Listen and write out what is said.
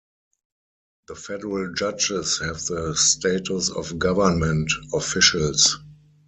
The federal judges have the status of government officials.